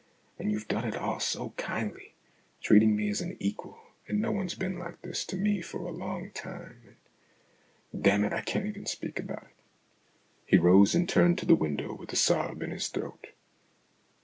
And you've done it all so kindly, treating me as an equal, and no one's been like this to me for a long time and, damn it, I can't even speak about it !" He rose and turned to the window with a sob in his throat.